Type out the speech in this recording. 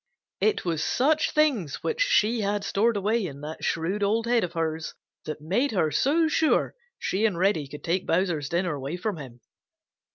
It was such things which she had stored away in that shrewd old head of hers that made her so sure she and Reddy could take Bowser's dinner away from him.